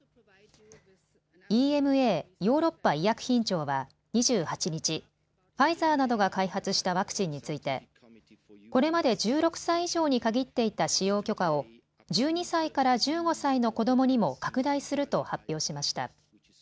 ＥＭＡ・ヨーロッパ医薬品庁は２８日、ファイザーなどが開発したワクチンについてこれまで１６歳以上に限っていた使用許可を１２歳から１５歳の子どもにも拡大すると発表しました。